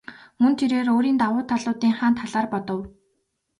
Мөн тэрээр өөрийн давуу талуудынхаа талаар бодов.